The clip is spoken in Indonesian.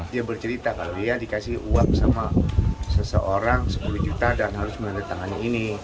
dia bercerita kalau dia dikasih uap sama seseorang sepuluh juta dan harus menandatangani ini